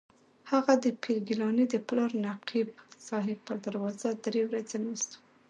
هغه د پیر ګیلاني د پلار نقیب صاحب پر دروازه درې ورځې ناست و.